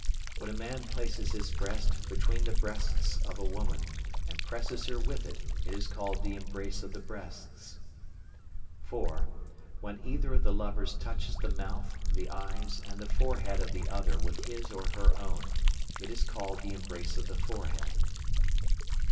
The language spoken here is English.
When a man places his breast between the breasts of a woman, and presses her with it, it is called the "embrace of the breasts." (4). When either of the lovers touches the mouth, the eyes and the forehead of the other with his or her own, it is called the "embrace of the forehead."